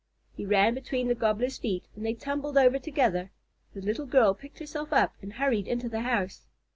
He ran between the Gobbler's feet and they tumbled over together. The little girl picked herself up and hurried into the house.